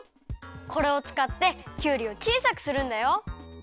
これをつかってきゅうりをちいさくするんだよ。